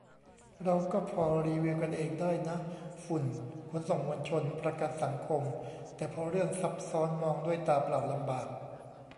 เราก็พอรีวิวกันเองได้นะ ฝุ่น ขนส่งมวลชน ประกันสังคม แต่พอเรื่องซับซ้อนมองด้วยตาเปล่าลำบาก